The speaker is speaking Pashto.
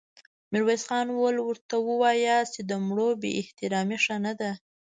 ميرويس خان وويل: ورته وواياست چې د مړو بې احترامې ښه نه ده.